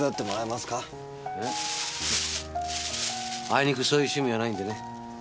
あいにくそういう趣味はないんでね。